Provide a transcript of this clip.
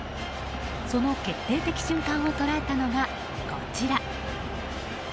その決定的俊間を捉えたのがこちら。